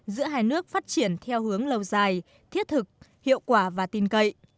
giữa hai nước phát triển theo hướng lâu dài thiết thực hiệu quả và tin cậy